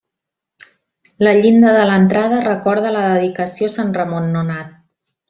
La llinda de l'entrada recorda la dedicació a Sant Ramon Nonat.